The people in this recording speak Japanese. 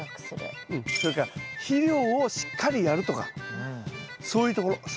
それから肥料をしっかりやるとかそういうところ。